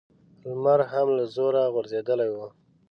لمر هم له زوره غورځېدلی و.